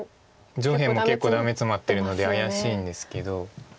上辺も結構ダメツマってるので怪しいんですけど。